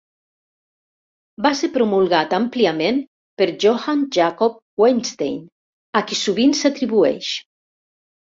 Va ser promulgat àmpliament per Johann Jakob Wettstein, a qui sovint s'atribueix.